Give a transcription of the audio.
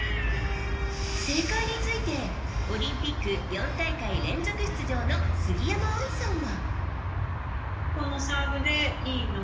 正解についてオリンピック４大会連続出場の杉山愛さんは。